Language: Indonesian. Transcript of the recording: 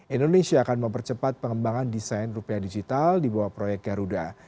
indonesia akan mempercepat pengembangan desain rupiah digital di bawah proyek garuda